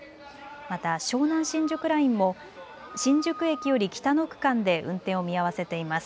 また湘南新宿ラインも新宿駅より北の区間で運転を見合わせています。